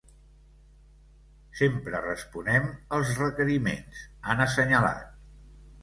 Sempre responem els requeriments, han assenyalat.